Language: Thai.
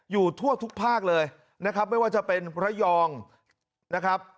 อยู่ทั่วทุกภาคเลยนะครับไม่ว่าจะเป็นระยองนะครับ